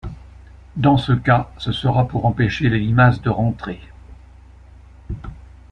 Dans ce cas ce sera pour empêcher les limaces de rentrer.